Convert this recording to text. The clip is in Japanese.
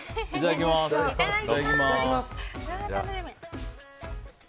いただきます。